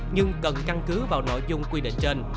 nhưng cần căn cứ vào nội dung quy định trên